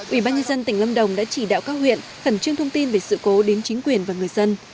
ubnd tỉnh lâm đồng đã chỉ đạo các huyện khẩn trương thông tin về sự cố đến chính quyền và người dân